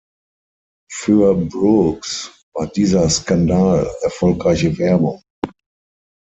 Für Brooks war dieser „Skandal“ erfolgreiche Werbung.